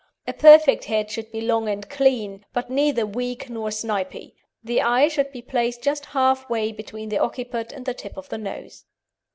A perfect head should be long and clean, but neither weak nor snipy. The eye should be placed just halfway between the occiput and the tip of the nose.